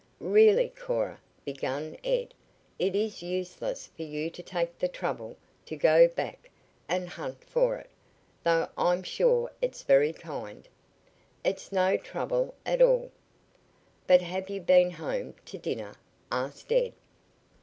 "Really, Cora," began Ed, "it is useless for you to take the trouble to go back and hunt for it, though I'm sure it's very kind " "It's no trouble at all." "But have you been home to dinner?" asked Ed.